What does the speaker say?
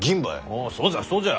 おぉそうじゃそうじゃ。